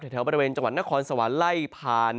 แถวบริเวณจังหวัดนครสวรรค์ไล่ผ่าน